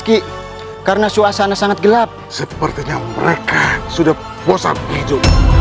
ki karena suasana sangat gelap sepertinya mereka sudah bosan begitu